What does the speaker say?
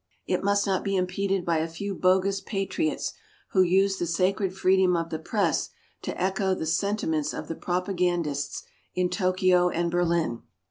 It must not be impeded by a few bogus patriots who use the sacred freedom of the press to echo the sentiments of the propagandists in Tokyo and Berlin.